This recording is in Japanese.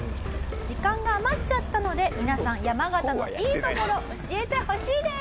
「時間が余っちゃったので皆さん山形のいいところ教えてほしいです」。